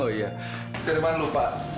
oh iya terima lupa